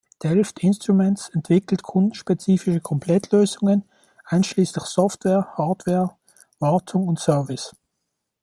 Delft Instruments entwickelt kundenspezifische Komplettlösungen, einschließlich Software, Hardware, Wartung und Service.